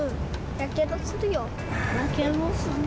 やけどする。